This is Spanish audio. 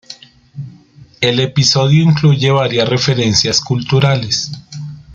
El episodio incluye varias referencias culturales.